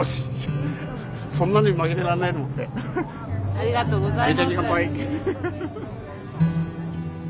ありがとうございます。